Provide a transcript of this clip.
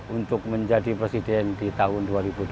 untuk menjadi presiden di tahun dua ribu dua puluh